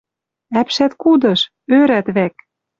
Ӓпшӓткудыш! Ӧрӓт вӓк.